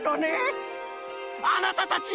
あなたたち！